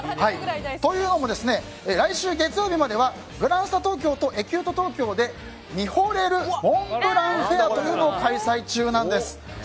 というのも、来週月曜日まではグランスタ東京とエキュート東京で「見惚れるモンブランフェア」というのを開催中なんです。